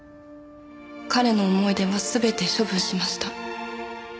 「彼の思い出はすべて処分しました」